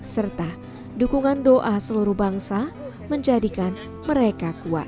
serta dukungan doa seluruh bangsa menjadikan mereka kuat